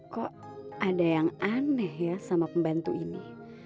kok ada yang aneh ya sama pembantu ini